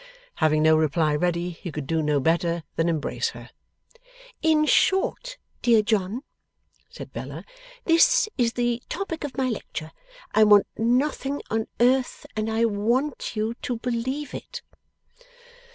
Having no reply ready, he could do no better than embrace her. 'In short, dear John,' said Bella, 'this is the topic of my lecture: I want nothing on earth, and I want you to believe it.